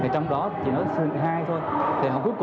trong đó chỉ nói sơn thịnh hai thôi